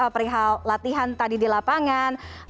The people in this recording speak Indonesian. perlatian tadi di lapangan